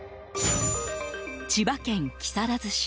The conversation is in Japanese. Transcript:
千葉県木更津市。